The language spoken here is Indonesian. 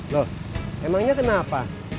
loh emangnya kenapa